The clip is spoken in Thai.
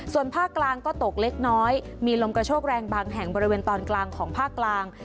ส่วนภาคกลางก็ตกเล็กน้อยมีลมกระโชกแรงบางแห่งบริเวณตอนกลางของภาคกลาง